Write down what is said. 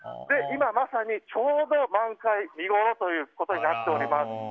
今、まさにちょうど満開見頃ということになっております。